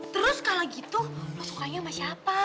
terus kalau gitu lo sukanya sama siapa